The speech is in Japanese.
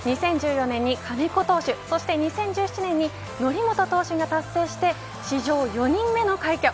２０１４年に金子投手そして２０１７年に則本投手が達成して、史上４人目の快挙。